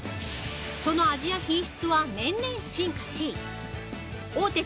その味や品質は年々進化し大手